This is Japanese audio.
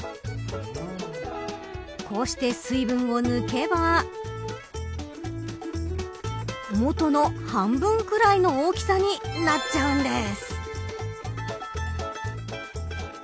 こうして水分を抜けば元の半分くらいの大きさになっちゃうんです。